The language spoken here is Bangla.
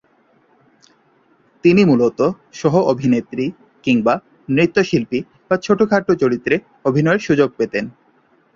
তিনি মূলত সহ-অভিনেত্রী কিংবা নৃত্যশিল্পী বা ছোটোখাটো চরিত্রে অভিনয়ের সুযোগ পেতেন।